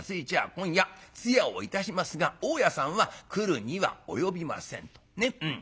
今夜通夜をいたしますが大家さんは来るには及びません』と。ね？